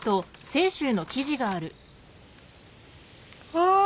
ああ！